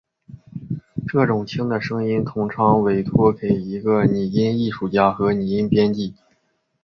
这种轻的声音通常委托给一个拟音艺术家和拟音编辑。